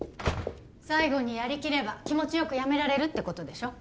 最後にやりきれば気持ちよくやめられるってことでしょ